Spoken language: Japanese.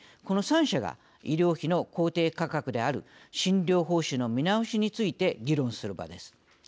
この３者が医療費の公定価格である診療報酬の見直しについて議論する場です。